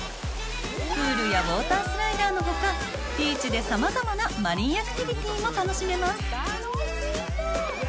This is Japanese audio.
プールやウォータースライダーのほか、ビーチでさまざまなマリン・アクティビティも楽しめます。